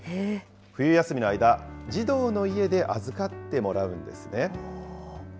冬休みの間、児童の家で預かってもらうんですね。